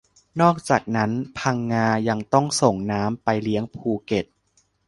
นอกจากนั้น พังงา ยังต้องส่งน้ำไปเลี้ยงภูเก็ต